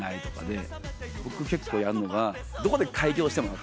僕結構やるのが。